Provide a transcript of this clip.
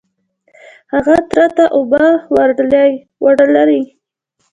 هغې تره ته اوبه وړلې.